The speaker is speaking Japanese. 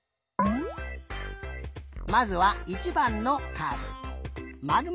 まずは１ばんのカード。